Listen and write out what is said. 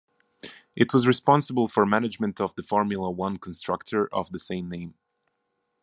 It was responsible for management of the Formula One constructor of same name.